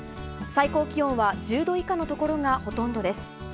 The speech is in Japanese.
最高気温は１０度以下のところがほとんどです。